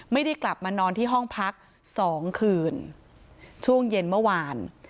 ไม่ได้กลับมานอนที่ห้องพักสองคืนช่วงเย็นเมื่อวาน